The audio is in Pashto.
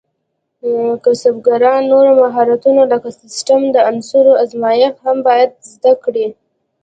کسبګران نور مهارتونه لکه د سیسټم د عناصرو ازمېښت هم باید زده کړي.